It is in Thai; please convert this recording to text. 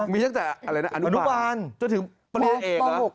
มีจากแต่อนุปราณที่บริเอก